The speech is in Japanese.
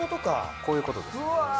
こういうことですね。